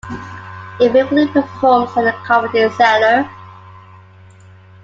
He frequently performs at the Comedy Cellar.